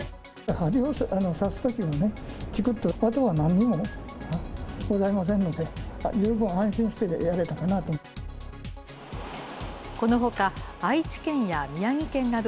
針を刺すときはちくっと、あとはなんにもね、ございませんので、十分安心してやれたかなと。